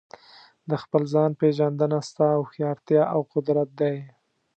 د خپل ځان پېژندنه ستا هوښیارتیا او قدرت دی.